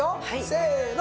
せの！